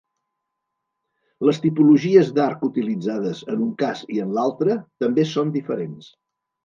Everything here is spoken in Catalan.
Les tipologies d'arc utilitzades en un cas i en l'altre també són diferents.